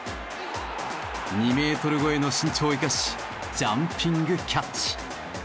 ２メートル超えの身長を生かしジャンピングキャッチ。